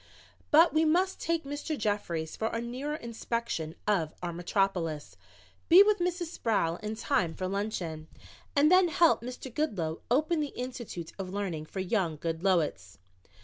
"But we must take Mr. Jeffries for a nearer inspection of our metropolis, be with Mrs. Sproul in time for luncheon and then help Mr. Goodloe open the institute of learning for young Goodloets."